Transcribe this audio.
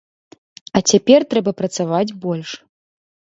А цяпер трэба працаваць больш.